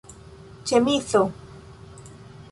ĉemizo